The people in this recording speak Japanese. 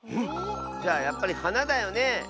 じゃあやっぱりはなだよね。